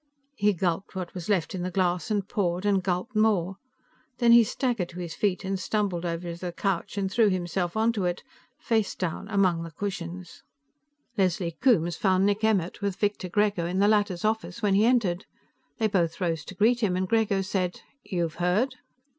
He gulped what was left in the glass and poured and gulped more. Then he staggered to his feet and stumbled over to the couch and threw himself onto it, face down, among the cushions. Leslie Coombes found Nick Emmert with Victor Grego in the latter's office when he entered. They both rose to greet him, and Grego said "You've heard?"